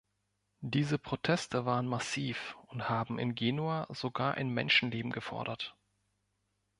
Diese Proteste waren massiv und haben in Genua sogar ein Menschenleben gefordert.